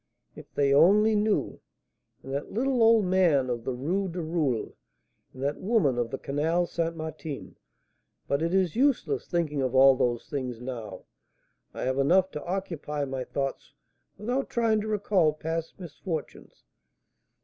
If they only knew And that little old man of the Rue du Roule and that woman of the Canal St. Martin But it is useless thinking of all those things now; I have enough to occupy my thoughts without trying to recall past misfortunes.